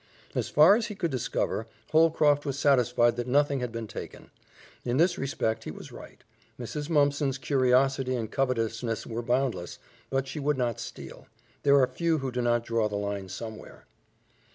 As far as he could discover, Holcroft was satisfied that nothing had been taken. In this respect he was right. Mrs. Mumpson's curiosity and covetousness were boundless, but she would not steal. There are few who do not draw the line somewhere.